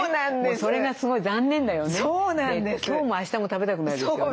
今日もあしたも食べたくないですよね。